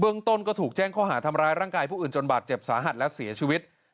ต้นก็ถูกแจ้งข้อหาทำร้ายร่างกายผู้อื่นจนบาดเจ็บสาหัสและเสียชีวิต